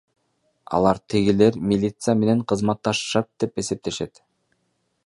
Алар тигилер милиция менен кызматташышат деп эсептешет.